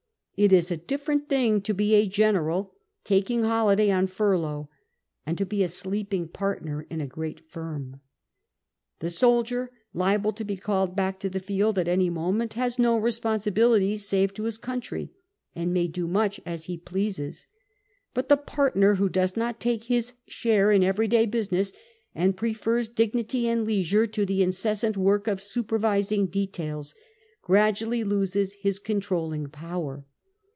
It is a different thing to be a general taking holiday on furlough, and to be a sleeping partner in a great firm. The soldier, liable to be called back to the field at any moment, has no responsibilities save to his country, and may do much as he pleases ; but the partner who does not take his share in everyday busi ness, and prefers dignity and leisure to the incessant work of supervising details, gradually loses his control ling power.